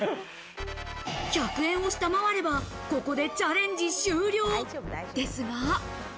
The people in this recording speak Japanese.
１００円を下回れば、ここでチャレンジ終了ですが。